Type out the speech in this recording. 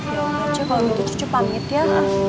ya cu kalau begitu cuco pamit ya